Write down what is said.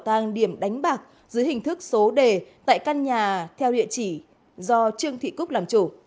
trương thị cúc đánh bạc dưới hình thức số đề tại căn nhà theo địa chỉ do trương thị cúc làm chủ